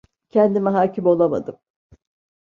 Kendime hakim olamadım.